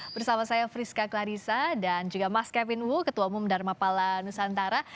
bersama saya friska clarissa dan juga mas kevin wu ketua umum dharma pala nusantara